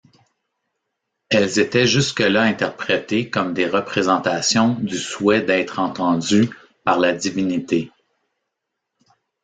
Elles étaient jusque-là interprétées comme des représentations du souhait d'être entendu par la divinité.